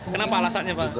kenapa alasannya pak